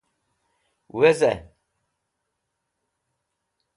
Wezẽ